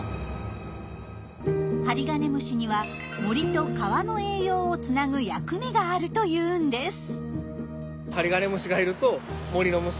ハリガネムシには森と川の栄養をつなぐ役目があるというんです。